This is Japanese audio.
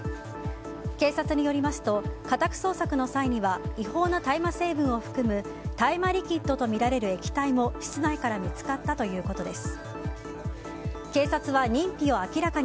警察によりますと家宅捜索の際には違法な大麻成分を含む大麻リキッドとみられる液体も室内から見つかったということです。